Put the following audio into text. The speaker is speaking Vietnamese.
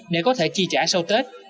để có thể chi trả sau tết